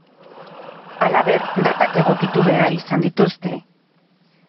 Halaber, datak egokitu behar izan dituzte.